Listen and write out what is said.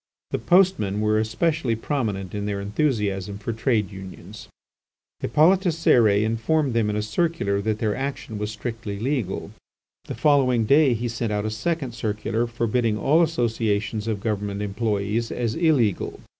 The postmen were especially prominent in their enthusiasm for trade unions. Hippolyte Cérès informed them in a circular that their action was strictly legal. The following day he sent out a second circular forbidding all associations of government employees as illegal.